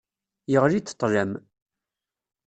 Yeɣli-d ṭlam.